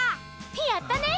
やったね！